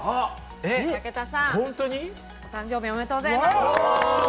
武田さん、お誕生日おめでとうございます！